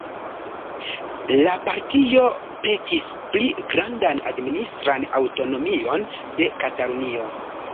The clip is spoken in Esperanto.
La partio petis pli grandan administran aŭtonomion de Katalunio.